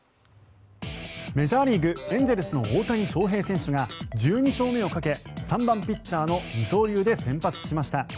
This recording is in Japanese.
メジャーリーグエンゼルスの大谷翔平選手が１２勝目をかけ３番ピッチャーの二刀流で先発しました。